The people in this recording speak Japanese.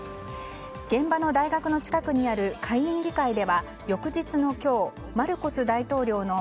現場の大学の近くにある下院議会では翌日の今日、マルコス大統領の